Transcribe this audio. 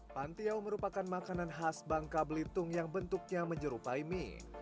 pantiau merupakan makanan khas bangka belitung yang bentuknya menyerupai mie